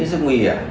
rất nguy hiểm